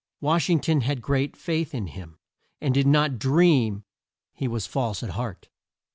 Wash ing ton had great faith in him, and did not dream he was false at heart.